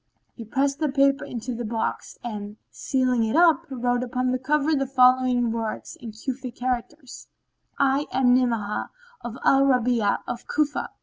He pressed the paper into the box and, sealing it up, wrote upon the cover the following words in Cufic characters, "I am Ni'amah of al Rabi'a of Cufa."